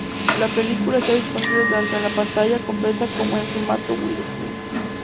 La película está disponible tanto en la pantalla completa como en formato Widescreen.